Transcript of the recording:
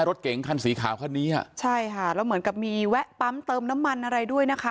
รถเก๋งคันสีขาวคันนี้อ่ะใช่ค่ะแล้วเหมือนกับมีแวะปั๊มเติมน้ำมันอะไรด้วยนะคะ